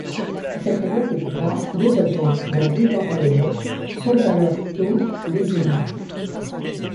Quelques jours plus tard, deux adjoints, dont Louis Pantaléon, sont à leur tout désignés.